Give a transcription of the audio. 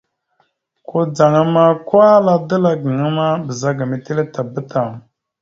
Kudzaŋ ma, kwa, ala dala gaŋa ma, ɓəzagaam etelle tabá tam.